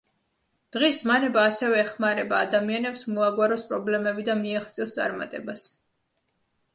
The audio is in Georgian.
დღის ზმანება ასევე ეხმარება ადამიანებს მოაგვაროს პრობლემები და მიაღწიოს წარმატებას.